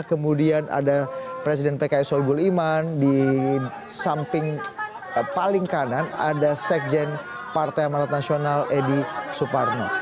kemudian ada presiden pks soebul iman di samping paling kanan ada sekjen partai amanat nasional edi suparno